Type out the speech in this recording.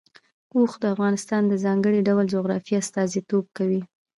اوښ د افغانستان د ځانګړي ډول جغرافیه استازیتوب کوي.